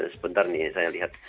sebentar nih saya lihat